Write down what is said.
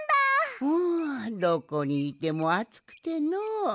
んどこにいてもあつくてのう。